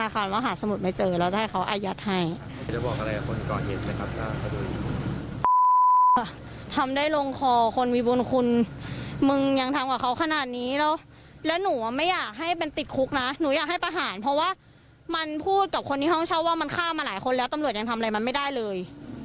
คือมันพูดกับคนในห้องเชี่ยวว่ามันฆ่ามาหลายคนแล้วตำรวจยังทำอะไรมันไม่ได้เลย